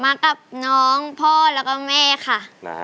มากับน้องพ่อแล้วก็แม่ค่ะ